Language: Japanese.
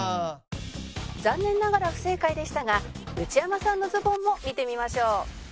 残念ながら不正解でしたが内山さんのズボンも見てみましょう。